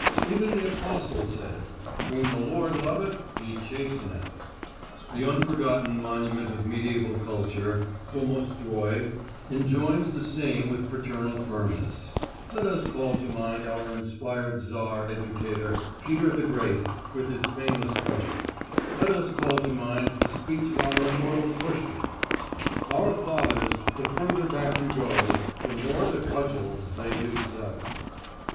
Even the apostle said: 'Whom the Lord loveth He chasteneth.' The unforgotten monument of mediaeval culture Domostroi enjoins the same with paternal firmness. Let us call to mind our inspired Tsar educator, Peter the Great, with his famous cudgel. Let us call to mind the speech of our immortal Pushkin: "'Our fathers, the further back you go, The more the cudgels they used up.'